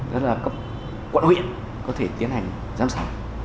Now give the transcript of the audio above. đó là cấp quận huyện có thể tiến hành giám sát